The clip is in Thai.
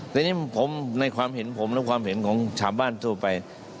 แต่นี่ผมในความเห็นผมและความเห็นของชาวบ้านทั่วไป